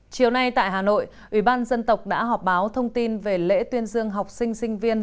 chiều nay tại hà nội ủy ban dân tộc đã họp báo thông tin về lễ tuyên dương học sinh sinh viên